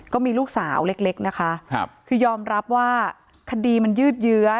ก็มีลูกสาวเล็กนะคะคือยอมรับว่าคดีมันยืดเยื้อ